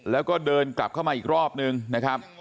แล้วก็เดินกลับเข้ามาอีกรอบนึงนะครับ